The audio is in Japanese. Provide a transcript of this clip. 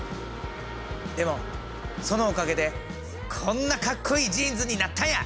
でもそのおかげでこんなかっこいいジーンズになったんや！